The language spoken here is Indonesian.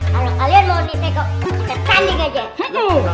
kalau kalian mau di teko kita tanding aja